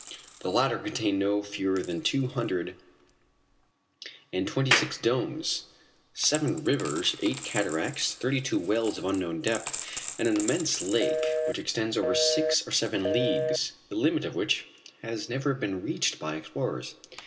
The latter contain no fewer than two hundred and twenty six domes, seven rivers, eight cataracts, thirty two wells of unknown depth, and an immense lake which extends over six or seven leagues, the limit of which has never been reached by explorers.